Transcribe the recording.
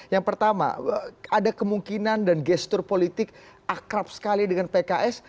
yang pertama ada kemungkinan dan gestur politik akrab sekali dengan pks